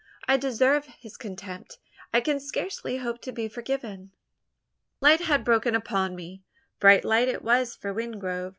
I deserve his contempt, I can scarcely hope to be forgiven." Light had broken upon me bright light it was for Wingrove!